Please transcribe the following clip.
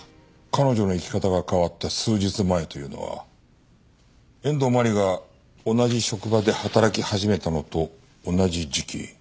彼女の生き方が変わった数日前というのは遠藤真理が同じ職場で働き始めたのと同じ時期。